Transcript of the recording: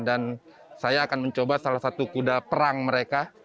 dan saya akan mencoba salah satu kuda perang mereka